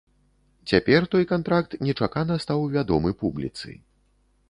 Цяпер той кантракт нечакана стаў вядомы публіцы.